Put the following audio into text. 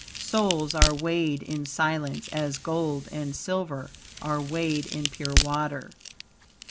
Souls are weighed in silence, as gold and silver are weighed in pure water."